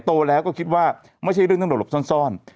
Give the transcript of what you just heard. โตแล้วก็คิดว่าไม่ใช่เรื่องทั้งหมดหลบซ่อน